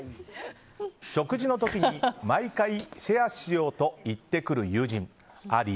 食事の時に毎回シェアしようと言ってくる友人、あり？